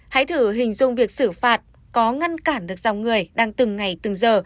hãy thử hình dung việc xử phạt có ngăn cản được dòng người đang từng ngày từng giờ